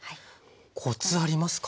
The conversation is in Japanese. コツありますか？